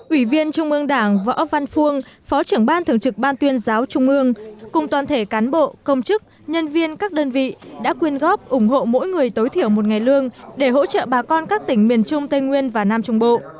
ủy viên trung ương đảng võ văn phuông phó trưởng ban thường trực ban tuyên giáo trung ương cùng toàn thể cán bộ công chức nhân viên các đơn vị đã quyên góp ủng hộ mỗi người tối thiểu một ngày lương để hỗ trợ bà con các tỉnh miền trung tây nguyên và nam trung bộ